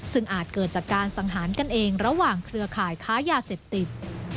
ซึ่งอาจเกิดจากการสังหารกันเองระหว่างเครือข่ายค้ายาเสพติด